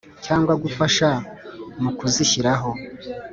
cyangwa gufasha mu kuzishyiraho